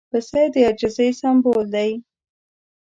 پسه د عاجزۍ سمبول دی.